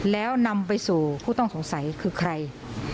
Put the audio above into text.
แล้วนำไปสู่ผู้ต้องสงสัยคือใคร